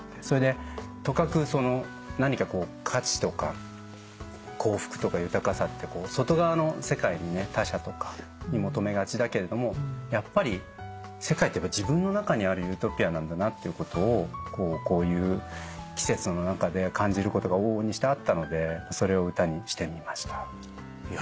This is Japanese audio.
それでとかく何かこう価値とか幸福とか豊かさって外側の世界に他者とかに求めがちだけれどもやっぱり世界って自分の中にあるユートピアなんだなっていうことをこういう季節の中で感じることが往々にしてあったのでそれを歌にしてみました。